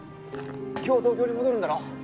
今日東京に戻るんだろ？